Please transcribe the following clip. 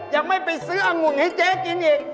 ยังไม่ไปซื้อองุ่นให้เจ๊กินอีก